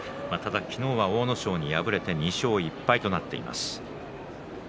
昨日は阿武咲に敗れて２勝１敗という成績になっています。